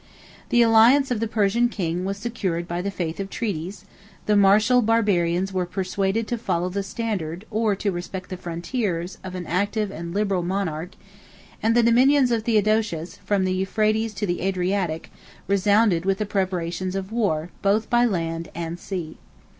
The alliance of the Persian king was secured by the faith of treaties; the martial Barbarians were persuaded to follow the standard, or to respect the frontiers, of an active and liberal monarch; and the dominions of Theodosius, from the Euphrates to the Adriatic, resounded with the preparations of war both by land and sea.